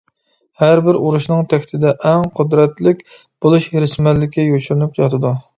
ھەربىر ئۇرۇشنىڭ تەكتىدە «ئەڭ قۇدرەتلىك بولۇش ھېرىسمەنلىكى» يوشۇرۇنۇپ ياتىدۇ.